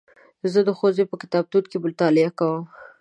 زه د ښوونځي په کتابتون کې مطالعه کوم.